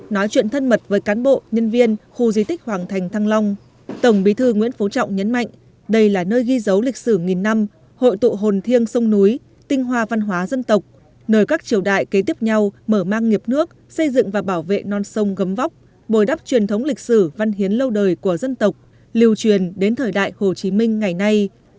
nói chuyện thân mật với cán bộ nhân viên khu di tích hoàng thành thăng long tổng bí thư nguyễn phú trọng nhấn mạnh đây là nơi ghi dấu lịch sử nghìn năm hội tụ hồn thiêng sông núi tinh hoa văn hóa dân tộc nơi các triều đại kế tiếp nhau mở mang nghiệp nước xây dựng và bảo vệ non sông gấm vóc bồi đắp truyền thống lịch sử văn hiến lâu đời của dân tộc liều truyền đến thời đại hồ chí minh ngày nay